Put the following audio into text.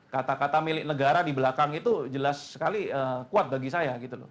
kata kata milik negara di belakang itu jelas sekali kuat bagi saya gitu loh